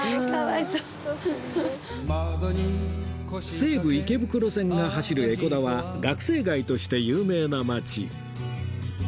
西武池袋線が走る江古田は学生街として有名な街